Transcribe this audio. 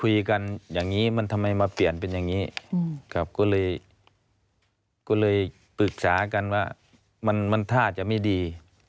คุยกันอย่างนี้มันทำไมมาเปลี่ยนเป็นอย่างนี้ครับก็เลยก็เลยปรึกษากันว่ามันท่าจะไม่ดี